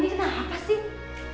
lo ini kenapa sih